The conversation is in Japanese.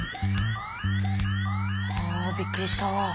あびっくりした。